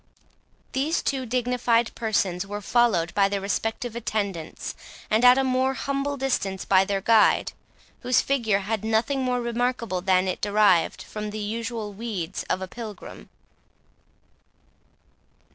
These two dignified persons were followed by their respective attendants, and at a more humble distance by their guide, whose figure had nothing more remarkable than it derived from the usual weeds of a pilgrim.